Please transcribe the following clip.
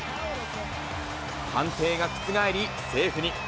判定が覆り、セーフに。